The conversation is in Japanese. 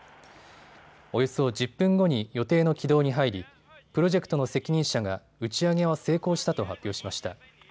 およそ１０分後に予定の軌道に入りプロジェクトの責任者が打ち上げは成功したと発表しました。